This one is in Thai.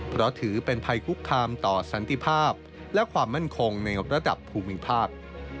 เพราะถือเป็นภัยคุกคามต่อสันติภาพและความมั่นคงในระดับภูมิภาค